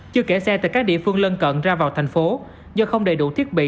chưa kể xe tại các địa phương lân cận ra vào thành phố do không đầy đủ thiết bị